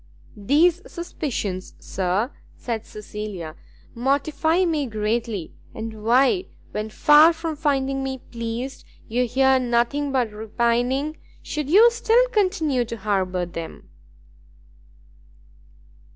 "These suspicions, sir," said Cecilia, "mortify me greatly; and why, when far from finding me pleased, you hear nothing but repining, should you still continue to harbour them?"